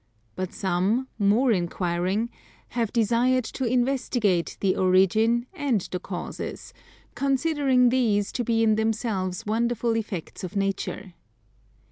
But some, more inquiring, have desired to investigate the origin and the causes, considering these to be in themselves wonderful effects of Nature.